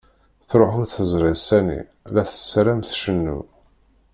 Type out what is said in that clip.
Truḥ ur teẓri sani, la tessaram tcennu.